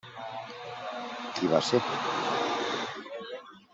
Qui va ser?